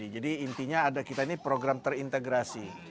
jadi intinya ada kita ini program terintegrasi